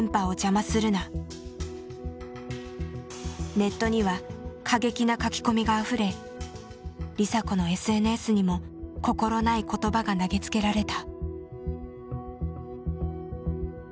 ネットには過激な書き込みがあふれ梨紗子のＳＮＳにも心ない言葉が投げつけられた。